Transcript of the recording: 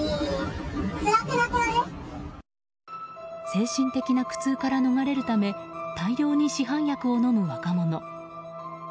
精神的な苦痛から逃れるため大量に市販薬を飲む若者。